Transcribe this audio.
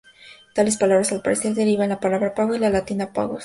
Tales palabras al parecer derivan de la palabra pago y de la latina "pagus".